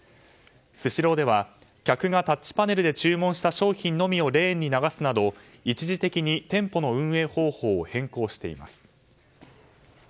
スシローでは客がタッチパネルで注文した商品のみをレーンに流すなど一時的に店舗の運営方法を変更しています。